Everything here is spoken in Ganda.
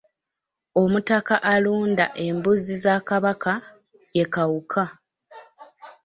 Omutaka alunda embuzi za Kabaka ye Kawuka.